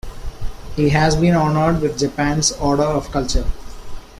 He has been honored with Japan's Order of Culture.